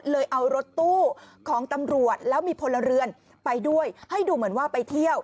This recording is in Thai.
เอารถตู้ของตำรวจแล้วมีพลเรือนไปด้วยให้ดูเหมือนว่าไปเที่ยว